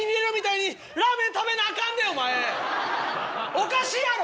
おかしいやろ！